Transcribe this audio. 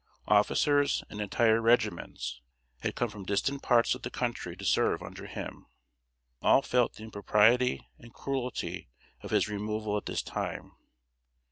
Officers and entire regiments had come from distant parts of the country to serve under him. All felt the impropriety and cruelty of his removal at this time.